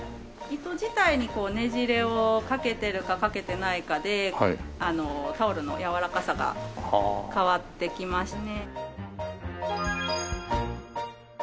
糸自体にねじれをかけてるかかけてないかでタオルの柔らかさが変わってきますね。